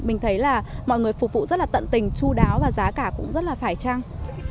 mình thấy là mọi người phục vụ rất là tận tình chú đáo và giá cả cũng rất là phải trăng